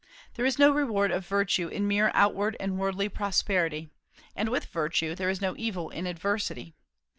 There is no reward of virtue in mere outward and worldly prosperity; and, with virtue, there is no evil in adversity.